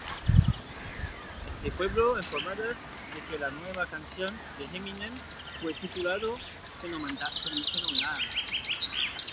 Este pueblo informadas de que la nueva canción de Eminem fue titulado "fenomenal".